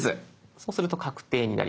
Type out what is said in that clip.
そうすると確定になります。